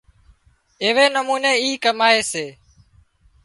ايوي نموني اي ڪمائي سي